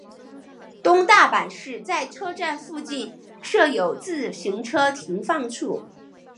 东大阪市在车站附近设有自行车停放处。